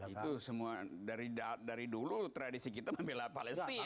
itu semua dari dulu tradisi kita membela palestina